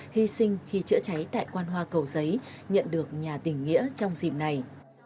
hy sinh khi chữa cháy tại quan hoa cầu giấy nhận được nhà tình nghĩa trong dịp này